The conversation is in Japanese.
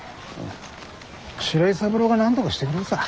白井三郎がなんとかしてくれるさ。